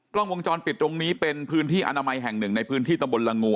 กล้องวงจรปิดตรงนี้เป็นพื้นที่อนามัยแห่งหนึ่งในพื้นที่ตำบลละงู